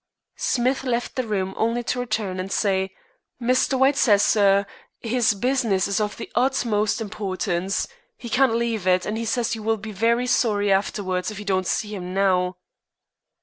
Smith left the room only to return and say: "Mr. White says, sir, 'is business is of the hutmost himportance. 'E can't leave it; and 'e says you will be very sorry afterwards if you don't see 'im now."